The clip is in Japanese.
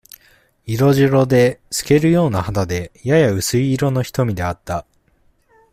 色白で、透けるような肌で、やや薄い色の瞳であった。